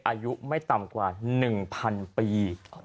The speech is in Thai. อายุไม่ต่ำกว่า๑๐๐๐ปี